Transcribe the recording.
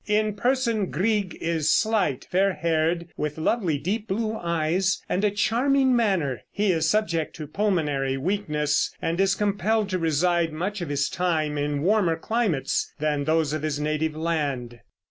In person Grieg is slight, fair haired, with lovely deep blue eyes and a charming manner. He is subject to pulmonary weakness, and is compelled to reside much of his time in warmer climates than those of his native land.